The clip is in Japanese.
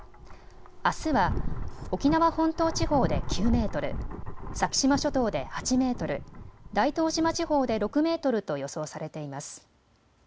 あすは沖縄本島地方で９メートル、先島諸島で８メートル、大東島地方で６メートルと予想されています。